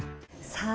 さあ